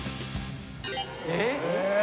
えっ？